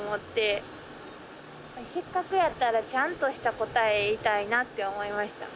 せっかくやったらちゃんとした答え言いたいなって思いました。